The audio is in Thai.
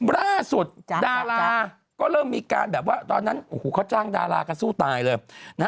ราชุดดาลาก็มีการตอนนั้นเขาจ้างดาลากันสู้ตายเลย